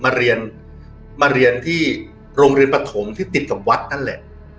มาเรียนที่โรงเรียนปฐมที่ติดกับวัดนั่นแหละ